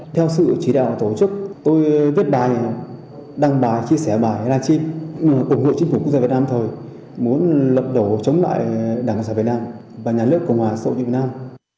theo sự chỉ đạo tổ chức tôi viết bài đăng bài chia sẻ bài livestream ủng hộ chính phủ quốc gia việt nam lâm thời muốn lập đổ chống lại đảng cộng sản việt nam và nhà nước cộng hòa xã hội việt nam